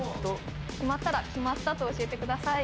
決まったら決まったと教えてください